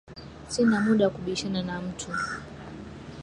Sina muda wa kubishana na mtu